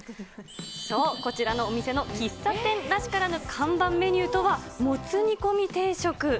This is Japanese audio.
そう、こちらのお店の喫茶店らしからぬ看板メニューとは、もつ煮込み定食。